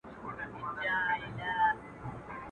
جهاني زه هم لکه شمع سوځېدل مي زده دي.